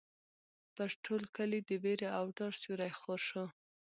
پر ټول کلي د وېرې او ډار سیوری خور شو.